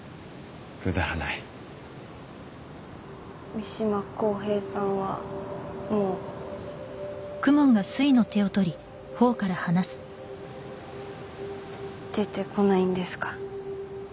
くだらない三島公平さんはもう出てこないんですか？